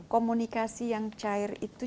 komunikasi yang cair itu